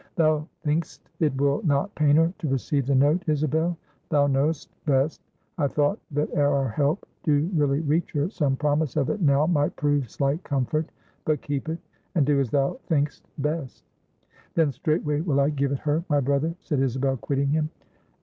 "Thou think'st it will not pain her to receive the note, Isabel? Thou know'st best. I thought, that ere our help do really reach her, some promise of it now might prove slight comfort. But keep it, and do as thou think'st best." "Then straightway will I give it her, my brother," said Isabel, quitting him.